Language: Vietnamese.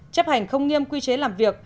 chấp hành không nghiêm quy chế làm việc